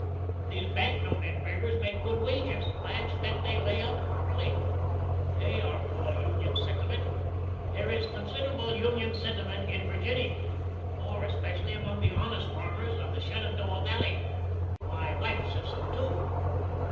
These bank note engravers made good wages. I expect they lay up property. They are full of Union sentiment. There is considerable Union sentiment in Virginny, more especially among the honest farmers of the Shenandoah valley. My wife says so too.